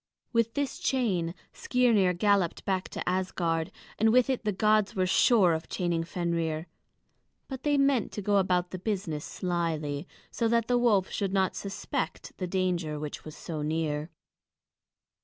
With this chain Skirnir galloped back to Asgard, and with it the gods were sure of chaining Fenrir; but they meant to go about the business slyly, so that the wolf should not suspect the danger which was so near.